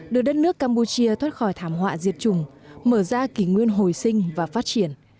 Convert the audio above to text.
đưa đất nước campuchia thoát khỏi thảm họa diệt chủng mở ra kỷ nguyên hồi sinh và phát triển